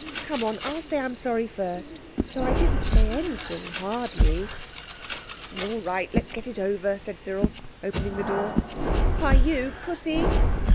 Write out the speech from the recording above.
Come on. I'll say I'm sorry first, though I didn't say anything, hardly." "All right, let's get it over," said Cyril, opening the door."Hi—you—Pussy!"